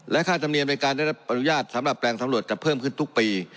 ค่าธรรมเนียมในการได้รับอนุญาตสำหรับแปลงสำรวจจะเพิ่มขึ้นทุกปี